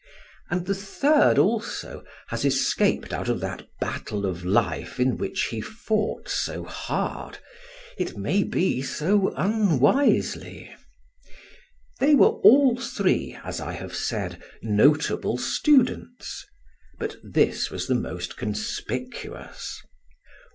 And the third also has escaped out of that battle of life in which be fought so hard, it may be so unwisely. They were all three, as I have said, notable students; but this was the most conspicuous.